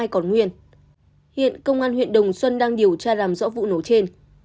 còn nguyên hiện công an huyện đồng xuân đang điều tra làm rõ vụ nổ trên